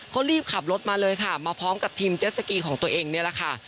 ก็รีบขับรถมาเลยค่ะมาพร้อมกับทีมเจ็ดสกีของตัวเองนี่แหละค่ะ